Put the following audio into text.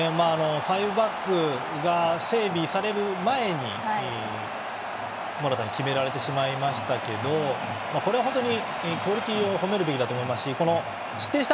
ファイブバックが整備される前にモラタに決められてしまいましたけどクオリティーを褒めるべきだと思いますしこの失点した